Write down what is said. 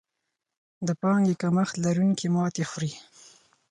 د پانګې کمښت لرونکي ماتې خوري.